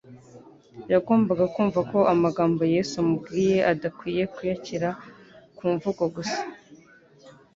Yagombaga kumva ko amagambo Yesu amubwiye adakwinye kuyakira ku mvugo gusa.